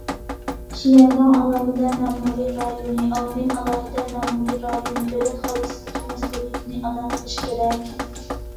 شياڭگاڭ ئالاھىدە مەمۇرىي رايونى، ئاۋمېن ئالاھىدە مەمۇرىي رايونى دۆلەت خەۋپسىزلىكى مەسئۇلىيىتىنى ئادا قىلىشى كېرەك.